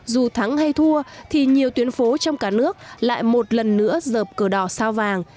dù thắng hay thua thì nhiều tuyến phố trong cả nước lại một lần nữa dợp cửa đỏ sao vàng